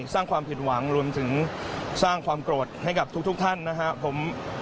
สร้างความผิดหวังรวมถึงสร้างความโกรธให้กับทุกท่านนะครับผม